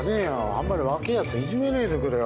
あんまり若えやついじめねえでくれよ。